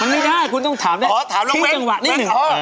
มันไม่ได้คุณต้องถามได้ที่จังหวะนี่หนึ่ง